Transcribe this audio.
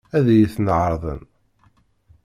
Ad iyi-ten-ɛeṛḍen?